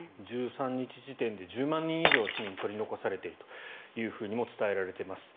１３日時点で１０万人以上の市民が取り残されているとも伝えられています。